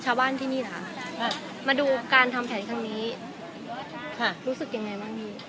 ชาวบ้านที่นี่ล่ะมาดูการทำแผนทางนี้รู้สึกยังไงบ้างดี